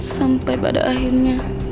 sampai pada akhirnya